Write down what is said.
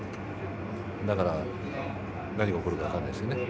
だから何が起こるか分からないですよね。